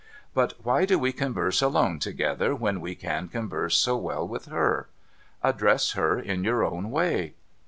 But why do we converse alone together, when we can converse so well with her ? Address her in your own way.'